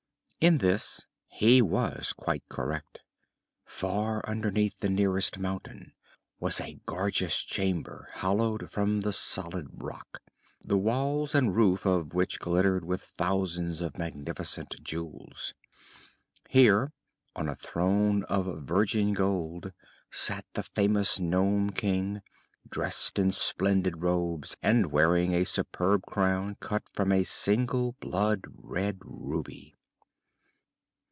In this he was quite correct. Far underneath the nearest mountain was a gorgeous chamber hollowed from the solid rock, the walls and roof of which glittered with thousands of magnificent jewels. Here, on a throne of virgin gold, sat the famous Nome King, dressed in splendid robes and wearing a superb crown cut from a single blood red ruby.